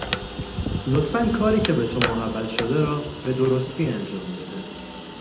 لطفا کاری که به تو محول شده را به درستی انجام بده